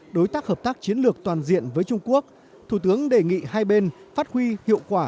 đối tác hợp tác chiến lược toàn diện với trung quốc thủ tướng đề nghị hai bên phát huy hiệu quả